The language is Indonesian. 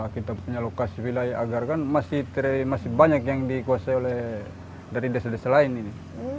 kita punya lokasi wilayah agar kan masih banyak yang dikuasai oleh dari desa desa lain ini